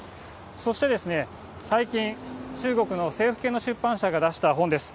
そして、最近、中国の政府系の出版社が出した本です。